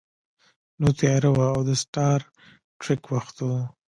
نو تیاره وه او د سټار ټریک وخت و